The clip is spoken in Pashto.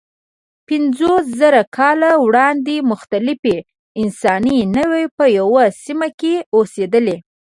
پنځوسزره کاله وړاندې مختلفې انساني نوعې په یوه سیمه کې اوسېدلې.